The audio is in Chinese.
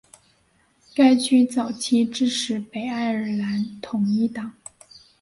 该区早期支持北爱尔兰统一党。